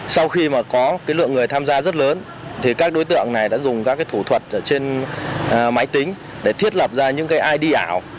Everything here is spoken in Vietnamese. sau khi có lượng người tham gia rất lớn các đối tượng đã dùng các thủ thuật trên máy tính để thiết lập ra những id ảo